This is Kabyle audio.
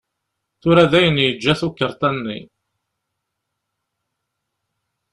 Tura dayen yeǧǧa tukerḍa-nni.